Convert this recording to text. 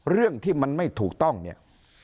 เรื่องที่มันไม่ถูกต้องเนี่ย